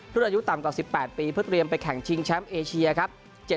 รุ่นอายุต่ำกว่า๑๘ปีเพื่อเตรียมไปแข่งชิงแชมป์เอเชียครับ